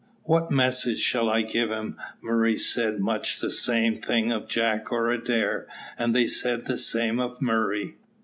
What message shall I give him?" Murray said much the same thing of Jack or Adair, and they said the same of Murray.